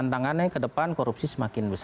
tantangannya ke depan korupsi semakin besar